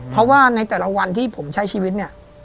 เพราะว่าในแต่ละวันที่ผมใช้ชีวิตเนี่ย